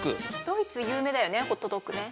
ドイツゆうめいだよねホットドッグね。